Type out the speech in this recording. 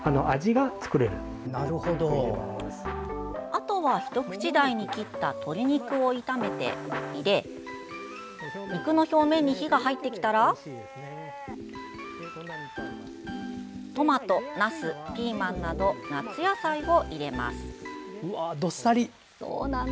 あとは一口大に切った鶏肉を炒めて入れ肉の表面に火が入ってきたらトマト、なす、ピーマンなど夏野菜を入れます。